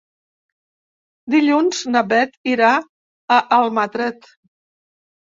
Dilluns na Beth irà a Almatret.